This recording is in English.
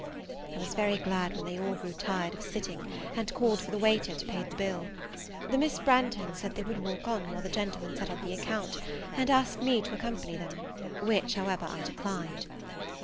I was very glad when they all grew tired of sitting, and called for the waiter to pay the bill. The Miss Branghtons said they would walk on while the gentlemen settled the account, and asked me to accompany them; which, however, I declined.